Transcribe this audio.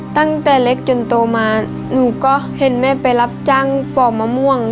ตั้งแต่เล็กจนโตมาหนูก็เห็นแม่ไปรับจ้างปอกมะม่วง